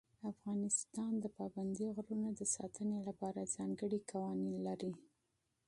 افغانستان د پابندي غرونو د ساتنې لپاره ځانګړي قوانین لري.